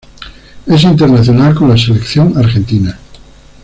Es internacional con la Selección Argentina.